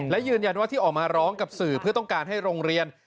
และยืนยันว่าที่ออกมาร้องกับสื่อเพื่อต้องการให้โรงเรียน